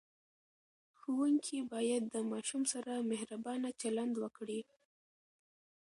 ښوونکي باید د ماشوم سره مهربانه چلند وکړي.